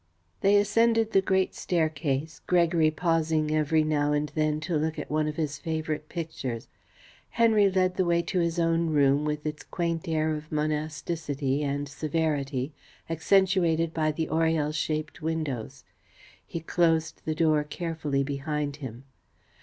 They ascended the great staircase, Gregory pausing every now and then to look at one of his favourite pictures. Henry led the way to his own room with its quaint air of monasticity and severity, accentuated by the oriel shaped windows. He closed the door carefully behind him.